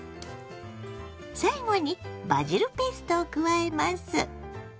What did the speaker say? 最後にバジルペーストを加えます。